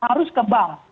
harus ke bank